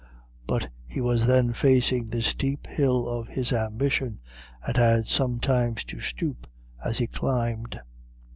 But he was then facing the steep hill of his ambition, and had sometimes to stoop as he climbed.